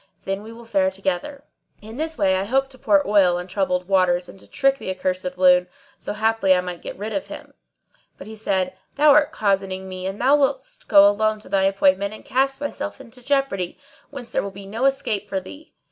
Then we will fare together." In this way I hoped to pour oil on troubled waters and to trick the accursed loon, so haply I might get quit of him; but he said, "Thou art cozening me and thou wouldst go alone to thy appointment and cast thyself into jeopardy, whence there will be no escape for thee.